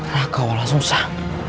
raka walau susah